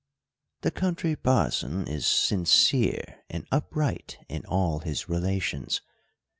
The Country Parson is sincere and upright in all his relations.